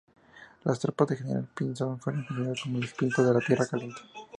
Las tropas del general Pinzón fueron conocidos como los "Pintos de Tierra Caliente".